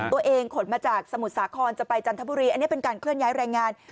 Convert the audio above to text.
ตัวเองขลดมาจากสมุทรสาครจังห์ลไปจันทร์พุรีอันนี้เป็นการเคลื่อนย้ายรายงาน